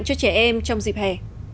cho trẻ em trong dịp hè